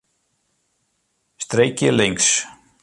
Streekje links.